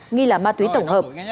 nghi là ma túy tổng hợp